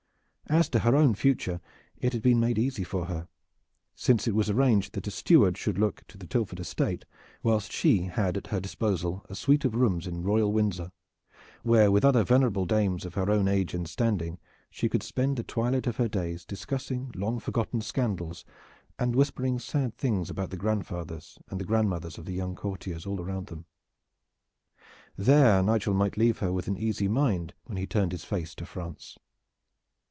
As to her own future, it had been made easy for her, since it was arranged that a steward should look to the Tilford estate whilst she had at her disposal a suite of rooms in royal Windsor, where with other venerable dames of her own age and standing she could spend the twilight of her days discussing long forgotten scandals and whispering sad things about the grandfathers and the grandmothers of the young courtiers all around them. There Nigel might leave her with an easy mind when he turned his face to France.